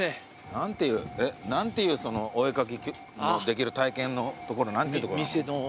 何ていうお絵描きのできる体験のところ何ていうとこなの？